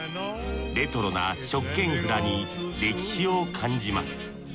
レトロな食券札に歴史を感じます。